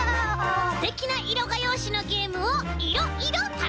すてきないろがようしのゲームをいろいろたのしめちゃいます！